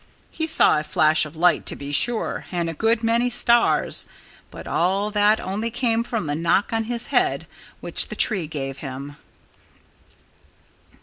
He saw a flash of light, to be sure, and a good many stars. But all that only came from the knock on his head which the tree gave him.